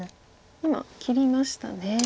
今切りましたね。